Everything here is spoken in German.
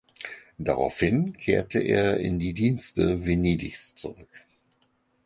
Daraufhin kehrte er in die Dienste Venedigs zurück.